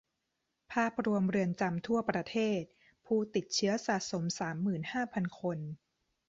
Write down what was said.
ภาพรวมเรือนจำทั่วประเทศ ผู้ติดเชื้อสะสมสามหมื่นห้าพันคน